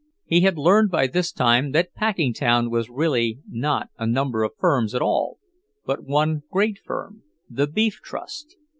He had learned by this time that Packingtown was really not a number of firms at all, but one great firm, the Beef Trust.